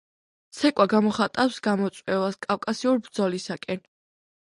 ცეკვა გამოხატავს გამოწვევას, კავკასიურ ბრძოლისაკენ.